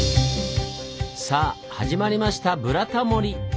さあ始まりました「ブラタモリ」！